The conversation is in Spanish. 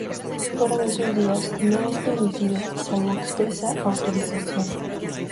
Fuera de esos días, no es permitido, salvo expresa autorización.